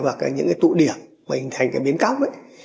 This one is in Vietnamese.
hoặc những cái tụ điểm mà hình thành cái biến cóc ấy